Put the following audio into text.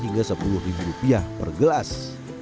hingga sepuluh ribu rupiah per gelas